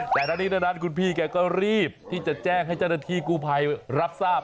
แต่ทั้งนี้ทั้งนั้นคุณพี่แกก็รีบที่จะแจ้งให้เจ้าหน้าที่กู้ภัยรับทราบ